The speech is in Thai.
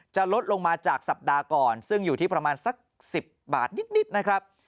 จะลดลงมาจากสัปดาห์ก่อนซึ่งอยู่ที่ประมาณสัก๑๐บาทนิดนะครับ